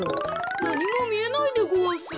なにもみえないでごわす。